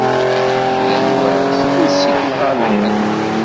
Kra n wass, ad nessikel ɣer Lhend.